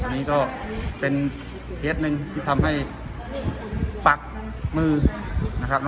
อันนี้ก็เป็นเคสหนึ่งที่ทำให้ปักมือนะครับ